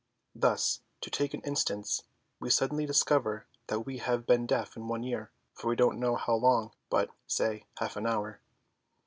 Thus, to take an instance, we suddenly discover that we have been deaf in one ear for we don't know how long, but, say, half an hour.